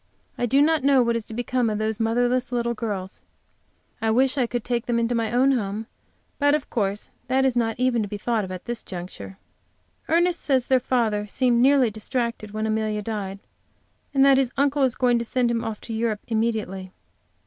I do not know what is to become of those motherless little girls. I wish I could take them into my own home, but, of course, that is not even to be thought at this juncture. Ernest says their father seemed nearly distracted when Amelia died, and that his uncle is going to send him off to Europe immediately.